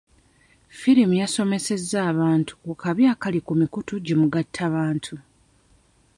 Firimu yasomesezza abantu ku kabi akali ku mikutu gimugattabantu.